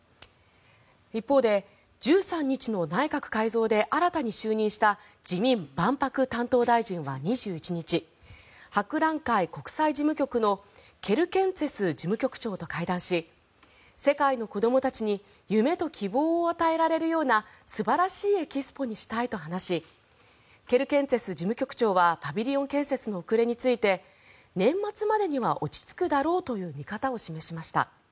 一方で１３日の内閣改造で新たに就任した自見万博担当大臣は２１日博覧会国際事務局のケルケンツェス事務局長と会談し世界の子どもたちに夢と希望を与えられるような素晴らしいエキスポにしたいと話しケルケンツェス事務局長はパビリオン建設の遅れについて年末までには落ち着くだろうという見方を示しました。